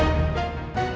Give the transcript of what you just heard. harusnya jauh lagi